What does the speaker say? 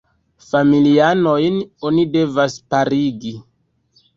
Familianojn oni devas parigi.